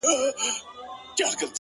• بیرته لیري له تلک او له دانې سو ,